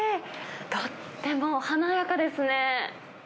とっても華やかですね。